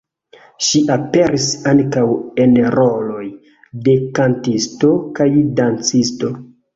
Ŝi aperis ankaŭ en roloj de kantisto kaj dancisto.